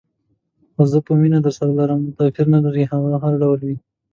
خو زه به مینه درسره لرم، توپیر نه لري هغه هر ډول وي.